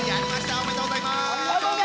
ありがとうございます！